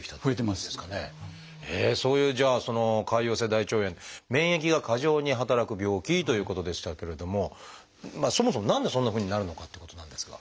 そういうじゃあ潰瘍性大腸炎免疫が過剰に働く病気ということでしたけれどもそもそも何でそんなふうになるのかってことなんですが。